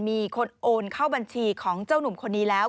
มีคนโอนเข้าบัญชีของเจ้าหนุ่มคนนี้แล้ว